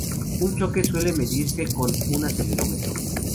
Un choque suele medirse con un acelerómetro.